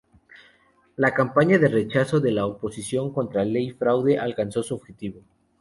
La campaña de rechazo de la oposición contra la Ley Fraude alcanzó su objetivo.